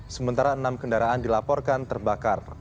sementara enam kendaraan dilaporkan terbakar